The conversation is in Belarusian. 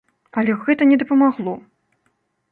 Але гэта не дапамагло!